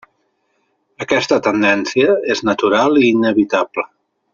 Aquesta tendència és natural i inevitable.